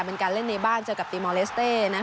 เป็นการเล่นในบ้านเจอกับตีมอลเลสเต้